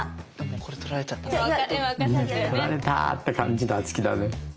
うん取られたって感じの敦貴だね。